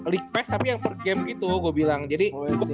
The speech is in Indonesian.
request tapi yang per game gitu gue bilang jadi